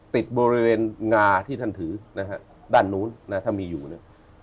ติดบริเวณงาที่ท่านถือนะครับด้านนู้นนะครับถ้ามีอยู่นะครับ